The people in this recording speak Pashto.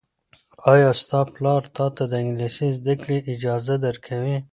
ایا ستا پلار تاته د انګلیسي زده کړې اجازه درکوي؟